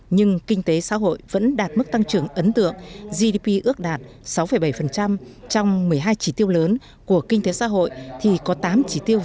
nhưng kinh tế xã hội vẫn đạt mức tăng trưởng ấn tượng gdp ước đạt sáu bảy trong một mươi hai chỉ tiêu